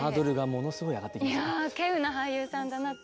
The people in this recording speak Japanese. いや希有な俳優さんだなって。